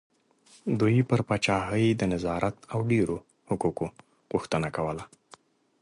دوی پر پاچاهۍ د نظارت او ډېرو حقوقو غوښتنه کوله.